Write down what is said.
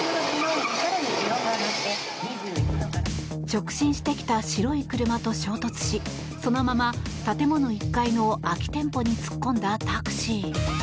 直進してきた白い車と衝突しそのまま、建物１階の空き店舗に突っ込んだタクシー。